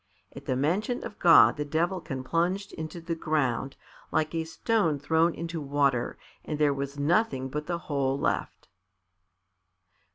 At the mention of God the Devilkin plunged into the ground like a stone thrown into water and there was nothing but the hole left.